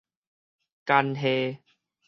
干係